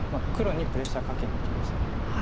黒にプレッシャーかけにいきました。